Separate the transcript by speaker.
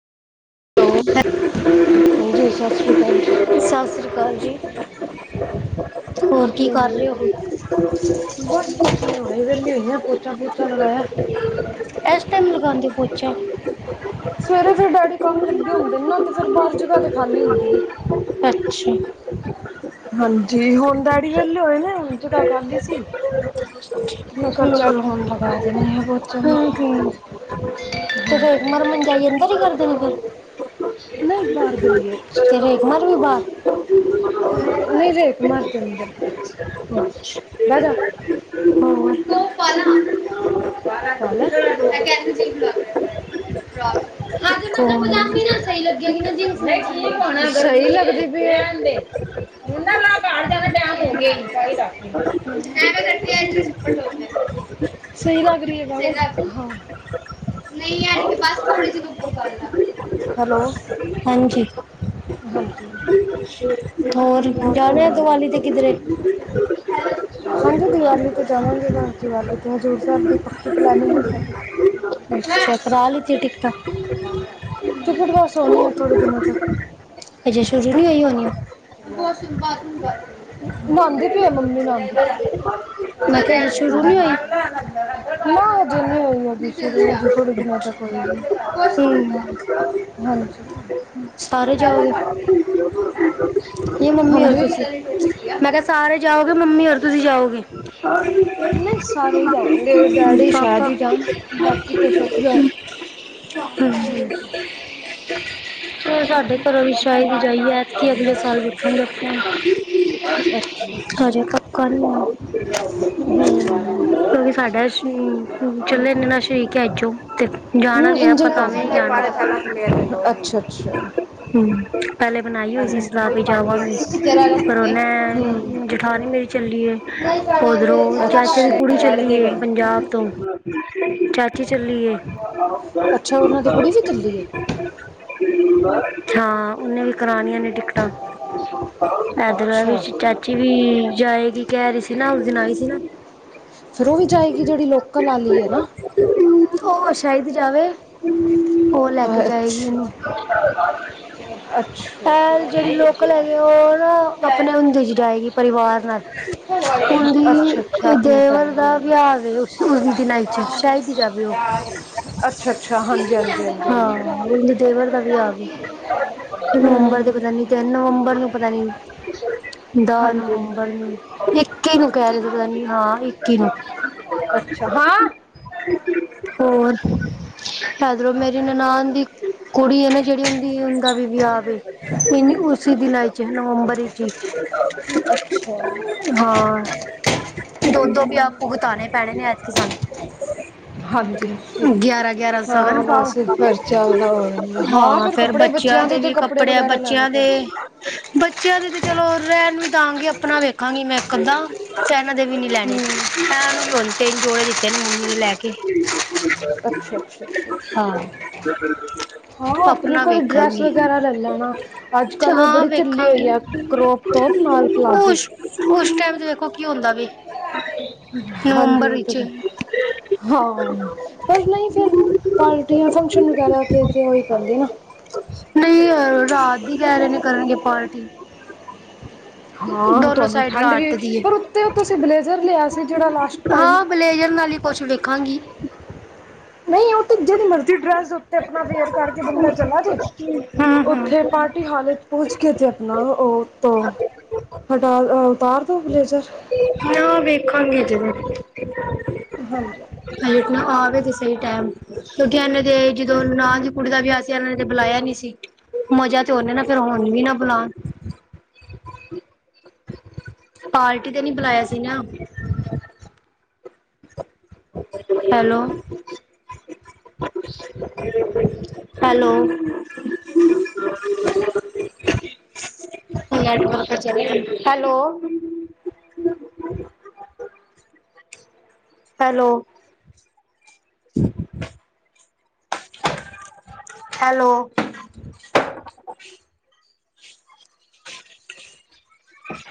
Speaker 1: ਹਾਂਜੀ ਸਤਿ ਸ਼੍ਰੀ ਅਕਾਲ ਜੀ।
Speaker 2: ਹਾਂਜੀ।
Speaker 1: ਬਸ ਕੁਛ ਨੀ ਹੂਨੇ ਵੇਲੀ ਹੋਈ ਆਂ, ਪੋਚਾ ਪੁਚਾ ਲਗਾਇਆ।
Speaker 2: ਐਸ ਟਾਈਮ ਲਗਾਂਦੇ ਓ ਪੋਚਾ?
Speaker 1: ਸਵੇਰੇ ਫੇਰ ਡੈਡੀ ਕੰਮ ਲੱਗੇ ਹੁੰਦੇ ਨਾ ਤੇ ਫੇਰ ਬਾਹਰ ਜਗ੍ਹਾ ਤੇ ਖਾਲੀ ਹੁੰਦੀ ਨੀ।
Speaker 2: ਅੱਛਾ।
Speaker 1: ਹਾਂਜੀ ਹੁਨ ਡੈਡੀ ਵੇਲੇ ਹੋਏ ਨੇ, ਹੁਨ ਜਗਾ ਖਾਲੀ ਸੀ। ਮੈਂ ਕਿਹਾ
Speaker 2: ਹੂੰ,
Speaker 1: ਚੱਲ ਹੁਣ ਲਗਾ ਦਿੰਨੀ ਆ ਪੋਚਾ ਮੈਂ
Speaker 2: ਹੂੰ-ਹੂੰ। ਤੇ ਫੇਰ ਮਰ ਮਨ ਜਾਈ ਅੰਦਰ ਈ ਕਰਦੇ ਨੇ ਫੇਰ।
Speaker 1: ਨਹੀਂ ਬਾਹਰ ਗਲੀ
Speaker 2: ਤੇਰੇਮਾਰ ਵੀ ਬਾਾਰ
Speaker 1: ਨਰੇੈ ਕੁਮਾਰ ਕੇਦਰ ਸੋਫ ਵਾਲਾ
Speaker 2: ਹਾਂ।
Speaker 1: [unintelligible]
Speaker 2: ਕੋਂਨ?
Speaker 1: [unintelligible] [unintelligible]
Speaker 2: [unintelligible]
Speaker 1: [unintelligible] ਹੈਲੋ।
Speaker 2: ਹਾਂਜੀ।
Speaker 1: ਹਾਂਜੀ
Speaker 2: ਹੋਰ ਜਾਣੇ ਆ ਦੀਵਾਲੀ ਤੇ ਕਿਧਰੇ? [inaudible]
Speaker 1: ਹਾਂਜੀ ਦੀਵਾਲੀ ਤੇ ਜਾਵਾਂਗੇ ਬਸ ਦੀਵਾਲੀ ਤੇ ਹਜੂਰ ਸਾਹਿਬ ਦੀ ਪੱਕੀ ਪਲੈਨਿੰਗ ਹੈ ਸਾਡੀ
Speaker 2: ਅੱਛਾ ਕਰਾ ਲੱਤੀਆ ਟਿਕਟਾਂ?
Speaker 1: ਟਿਕਟ ਬਸ ਆਉਣੀ ਹੈ ਥੋੜ੍ਹੇ ਦਿਨਾਂ ਤੱਕ
Speaker 2: ਅਜੇ ਸ਼ੁਰੂ ਨਹੀਂ ਹੋਈ ਹੋਣੀ
Speaker 1: ਨਉਦੀ ਪ ਮੰਮੀ ਨਦੀ ਚ
Speaker 2: ਮੈਂ ਕਿਹਾ ਅਜੇ ਸ਼ੁਰੂ ਨਹੀਂ
Speaker 1: ਮ
Speaker 2: ਹੋਈ
Speaker 1: ਚ ਨਾ ਅਜੇ ਨਹੀਂ ਹੋ ਆ ਕਿਸ ਅਜੇ ਥੋੜੇ ਦਿਨਾਂ ਤੱਕ ਹੋਈ
Speaker 2: ਹੂੰ
Speaker 1: ਹਾਂਜੀ
Speaker 2: ਸਾਰੇ ਜਾਓਗੇ? ਨਹੀਂ ਮੰਮੀ ਔਰ ਤੁਸੀਂ,
Speaker 1: ਹਾਂਜੀ
Speaker 2: ਮੈਂ ਕਿਹਾ ਸਾਰੇ ਜਾਓਗੇ ਮੰਮੀ ਔਰ ਤੁਸੀਂ ਜਾਓਗੇ?
Speaker 1: ਨਹੀਂ ਸਾਰੇ ਹੀ ਜਾਣਗੇ ਡੈਡੀ ਸ਼ਾਇਦ
Speaker 2: ਪਾਪਾ
Speaker 1: ਹੀ
Speaker 2: ਹੂੰ
Speaker 1: ਹਾਂਜੀ [inaudible]
Speaker 2: ਫੇ ਸਾਡੇ ਘਰ ਦੀ ਸ਼ਾਇਦ ਜਾਈਏ ਐਤਕੀ, ਅਗਲੇ ਸਾਲ ਵੱਖੇ ਲਿਆ।
Speaker 1: ਅੱਛਾ ਅੱਛਾ
Speaker 2: ਸੋਜੇ ਕੱਕਨ ਸਾਢੇ ਅਛ [unintelligible] [inaudible] ਚੱਲ ਇਨੇ ਨਾ ਸ਼ਰੀਕ ਹੈ ਏੋ ਤੇ ਜਾਣਾ ਵੀ ਹੈ ਪਤਾ ਵੀ ਨੀ ਜਾਣਾ।
Speaker 1: ਅੱਛਾ।
Speaker 2: ਹੂੰ ਪਹਿਲੇ ਬਣਾਈ ਹੋਈ ਸੀ ਸਲਾਹ ਵੀ ਜਾਂਵਾਂਗੇ, ਪਰ
Speaker 1: ਹੂੰ
Speaker 2: ਉਹਨੇ ਜਠਾਣੀ ਮੇਰੀ ਚੱਲੀਏ,
Speaker 1: ਨਹੀਂ ਪੜਾਂ
Speaker 2: ਓਦਰੋਂ
Speaker 1: ਮੇਰੇ ਝਾਲਾ
Speaker 2: ਚਾਚੇ ਦੀ ਕੁੜੀ ਚੱਲੀਏ ਪੰਜਾਬ ਤੋਂ। ਚਾਚੀ ਚੱਲੀਏ
Speaker 1: ਅੱਛਾ ਉਹਨਾਂ ਦੀ ਕੁੜੀ ਵੀ ਚੱਲੀ ਐ?
Speaker 2: ਹਾਂ ਉਹਨੇ ਵੀ ਕਰਉਣੀਆਂ ਨੇ ਟਿਕਟਾਂ। ਪੈਦਲਾ ਵੀ
Speaker 1: ਅੱਛਾ
Speaker 2: ਚਾਚੀ ਵੀ ਜਾਏਗੀ, ਕਹਿ ਰਹੀ ਸੀ ਨਾ ਉਸ ਦਿਨ ਆਈ ਸੀ ਨਾ।
Speaker 1: ਫਿਰ ਉਹ ਵੀ ਜਾਈਗੀ ਲੋਕਲ ਵਾਲੀ ਐ ਨਾ?
Speaker 2: ਉਹ ਸ਼ਹੀਦ ਜਾਵੇ, ਉਹ ਲੈ ਕੇ ਜਾਏਗੀ
Speaker 1: ਅੱਛਾ
Speaker 2: ਇਹਨੂੰ ਹ [inaudible]
Speaker 1: ਅੱਛਾ
Speaker 2: ਇਹ ਜਿਹੜੀ ਲੋਕਲ ਹੈਗੇ ਐ, ਉਹ ਨਾ ਆਪਣੇ ਹੁੰਦੇ ਚ ਜਾਏਗੀ ਪਰਿਵਾਰ ਨਾਲ।
Speaker 1: ਪਾਸੇ ਅੱਛਾ ਅੱਛਾ
Speaker 2: ਉਹਦੀ
Speaker 1: ਆਪਣੀ
Speaker 2: ਦੇਵਲ ਦਾ
Speaker 1: ਫੈਮਿਲੀ
Speaker 2: ਵਿਆਹ ਆਵੇ ਦਿਨਾਂ ਸ਼ਾਇਦ ਹੀ ਜਾਵੇ ਉਹ।
Speaker 1: ਅੱਛਾ ਅੱਛਾ ਹਾਂਜੀ ਹਾਂਜੀ ।
Speaker 2: ਹਾਂ ਉ ਦੇਵਰ ਦਾ ਵਿਆਹ ਆ, ਨਵੰਬਰ ਦੇ
Speaker 1: ਹੂੰ
Speaker 2: ਪਤਾ ਨੀ ਤਿੰਨ ਨਵੰਬਰ ਨੂੰ ਪਤਾ ਨੀ ਦਸ
Speaker 1: ਹਾਂਜੀ
Speaker 2: ਨਵੰਬਰ
Speaker 1: ਹਾਂਜੀ
Speaker 2: ਨੂੰ ਇੱਕੀ ਨੂੰ ਕਹਿ ਰਹੇ ਸੀ ਪਤਾ ਨੀ ਹਾਂ ਇੱਕੀ ਨੂੰ। [inaudible]
Speaker 1: ਅੱਛਾ ਹਾਂ
Speaker 2: [inaudible] ਹੋਰ ਇਧਰੋਂ ਮੇਰੀ ਨਨਾਨ ਦੀ ਕੁੜੀ ਆ ਨਾ ਜਿਹੜੀ ਉਹਦੀ ਦਾ ਵੀ ਵਿਆਹ ਵੇ, ਉਸਸੀ ਦਿਨਾਂ ਚ ਨਵੰਬਰ ਜੀ
Speaker 1: ਅੱਛਾ
Speaker 2: ਹਾਂ ਦੋ ਦੋ ਵਿਆਹ ਭੂਗਤਾਣੇ ਪੈਣੇ ਨੇ ਐਜਕ
Speaker 1: ਹਾਂਜੀ
Speaker 2: ਸਾਨੂੰ। ਗਿਆਰਾਂ ਗਿਆਰਾਂ ਸੌ ਸ਼ਗਨ ਪਾਓ।
Speaker 1: ਚਾਲਦਾ ਹੋ ਜਾਂਦਾ
Speaker 2: ਹਾਂ,
Speaker 1: ਫਿਰ
Speaker 2: ਫੇਰ
Speaker 1: ਕੱਪੜੇ
Speaker 2: ਬੱਚਿਆਂ ਦੇ
Speaker 1: ਤੇ
Speaker 2: ਵੀ ਕੱਪੜੇ
Speaker 1: ਵਗੈਰਾ ਲੈਣੇ
Speaker 2: ਬੱਚਿਆਂ ਦੇ
Speaker 1: ਪੈਣ
Speaker 2: ਬੱਚਿਆਂ ਦੇ ਤੇ ਚਲੋਂ ਰਹਿਣ ਵੀ ਦਵਾਂਗੇ, ਆਪਣਾ ਵੇਖ ਆਗੀ ਮੈਂ ਇਕ ਅੱਧਾ ਚੈਨਲ ਤੇ ਵੀ ਨਹੀਂ ਲੈਣੇ
Speaker 1: ਹੂੰ
Speaker 2: ਤਿੰਨ ਜੋੜੇ ਦਿੱਤੇ ਨੇ ਮਮੀ ਨੇ ਲੈ ਕੇ
Speaker 1: ਅੱਛਾ ਅੱਛਾ ਅੱਛਾ ਅੱਛਾ
Speaker 2: ਬਿਲ
Speaker 1: ਆ ਆਪਣੀ ਕੋਈ ਡਰੈਸ ਵਗੈਰਾ ਲੈ ਲੈਣਾ ਅੱਜ ਕੱਲ ਉਹ
Speaker 2: ਹਾਂ
Speaker 1: ਬੜੀ ਝੱਲੀ
Speaker 2: ਵੇਖਾਂਗੀ
Speaker 1: ਹੋਈ ਟੋਪ ਨਾਲ ਪਲਾਜੋ
Speaker 2: ਉਸ ਉਸ ਟਾਈਮ ਦੇਖੋ ਕੀ ਹੁੰਦਾ ਵੀ ਨਵੰਬਰ
Speaker 1: ਹਾਂਜੀ
Speaker 2: ਵਿੱਚ
Speaker 1: ਫਿਰ ਪਾਰਟੀਆਂ ਸੈਕਸ਼ਨ ਵਗੈਰਾ
Speaker 2: ਨਹੀਂ ਰਾਤ ਹੀ ਕਹਿ ਰਹੇ ਨੇ ਕਰਨਗੇ ਪਾਰਟੀ
Speaker 1: ਹਾਂ
Speaker 2: ਦੋਨੋ
Speaker 1: ਤੁਹਾਨੂੰ
Speaker 2: ਸਾਈਡ
Speaker 1: ਠੰਡ ਵੀ
Speaker 2: ਰਾਤ ਦੀ ਹੈ
Speaker 1: ਪਰ ਉੱਤੇ ਤੁਸੀਂ ਬਲੇਜ਼ਰ ਲਿਆ ਸੀ ਜਿਹੜਾ
Speaker 2: ਪਲੇਜਰ ਨਾਲ ਕੁਛ ਵੇਖਾਂਗੀ
Speaker 1: ਨਹੀਂ ਉਹ ਤੇ ਜਿਹੜੀ ਮਰਜ਼ੀ ਡਰੈਸ ਉੱਤੇ ਆਪਣਾ ਵੇਅਰ ਕਰਕੇ ਬੰਦਾ ਚਲਾ ਜੇ
Speaker 2: ਹਾਂ ਹਾਂ
Speaker 1: ਉੱਥੇ ਪਾ ਹਾਲਤ ਪਹੁੰਚ ਕੇਥੇ ਆਪਣਾ ਉਹ ਹਟਾ ਉਤਾਰ ਦੋ ਬਲੇਜ਼ਰ
Speaker 2: ਨਾ ਵੇਖਾਂਗੇ ਜਿਵੇਂ
Speaker 1: ਹਾਂਜੀ।
Speaker 2: ਆ ਉਠਣਾ ਆਵੇ ਤੇ ਸਹੀ ਟਾਈਮ, ਲੁਧਿਆਣਾ ਤੇ ਜਦੋਂ ਨਾਂ ਦੀ ਕੁੜੀ ਦਾ ਵਿਆਹ ਸੀ, ਉਹਨੇ ਤੇ ਬੁਲਾਇਆਂ ਨੀ ਸੀ। ਮਜ਼ਾ ਤੇ ਹੁਣ ਐ ਨਾ, ਫੇਰ ਹੁਣ ਵੀ ਨਾ ਬੁਲਾਉਣ। ਪਾਲਕੀ ਤੇ ਨਹੀਂ ਬੁਲਾਇਆ ਸੀ hello hello hello hello hello